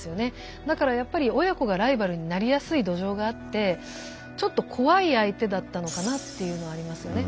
だからやっぱり親子がライバルになりやすい土壌があってちょっと怖い相手だったのかなっていうのはありますよね。